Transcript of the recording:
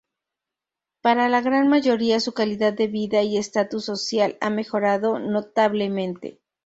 Para la gran mayoría su calidad de vida y estatus social ha mejorado notablemente.